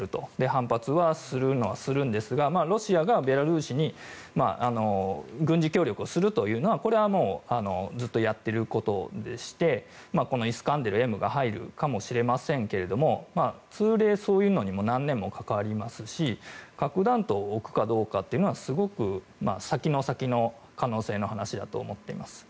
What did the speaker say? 反発はするのはするんですがロシアがベラルーシに軍事協力をするというのはこれはずっとやっていることでしてイスカンデルＭが入るかもしれませんが通例、そういうのにも何年もかかりますし核弾頭を置くかどうかというのはすごく先の先の可能性の話だと思っています。